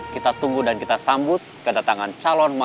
bilang kalau dia tadi nelfon kamu